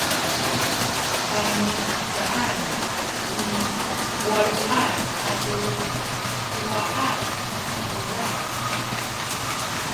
paymihcaan i waluay atu siwaay a bulad